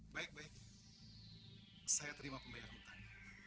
baik baik saya terima pembayaran hutan